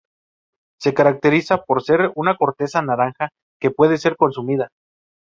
Se caracteriza por poseer una corteza naranja que puede ser consumida.